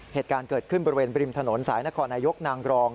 เหตุการณ์เกิดขึ้นบริเวณบริมถนนสายนครนายกนางกรอง